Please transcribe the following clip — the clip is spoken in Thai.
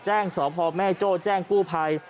สพแม่โจ้แจ้งกู้ภัย